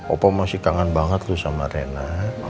opa masih kangen banget tuh sama rena